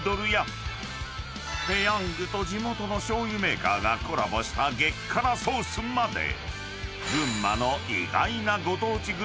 ［ペヤングと地元のしょうゆメーカーがコラボした激辛ソースまで］